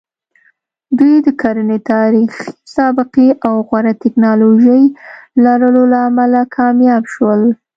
دوی د کرنې تاریخي سابقې او غوره ټکنالوژۍ لرلو له امله کامیاب شول.